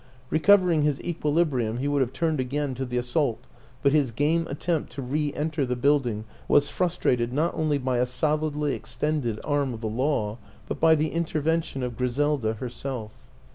Recovering his equilibrium, he would have turned again to the assault; but his game attempt to reenter the building was frus trated not only by a solidly extended arm of the law but by the intervention of Griselda herself.